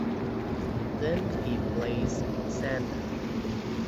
Then he plays Santa.